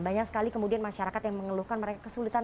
banyak sekali kemudian masyarakat yang mengeluhkan mereka kesulitan